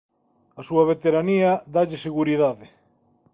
A súa veteranía dálle seguridade.